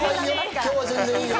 今日は全然いいよ。